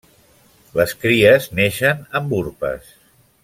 Les cries neixen amb urpes.